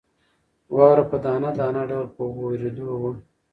واوره په دانه دانه ډول په وورېدو وه.